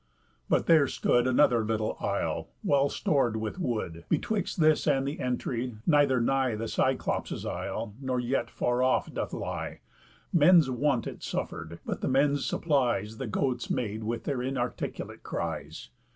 But there stood Another little isle, well stor'd with wood, Betwixt this and the entry; neither nigh The Cyclops' isle, nor yet far off doth lie, Men's want it suffer'd, but the men's supplies The goats made with their inarticulate cries.